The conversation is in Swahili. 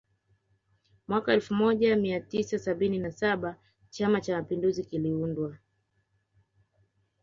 Mwaka elfu moja mia tisa sabini na saba Chama Cha Mapinduzi kiliundwa